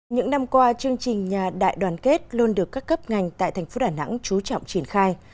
những năm qua chương trình nhà đại đoàn kết luôn được các cấp ngành tại thành phố đà nẵng chú trọng triển khai